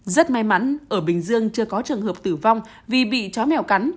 rất may mắn ở bình dương chưa có trường hợp tử vong vì bị chó mèo cắn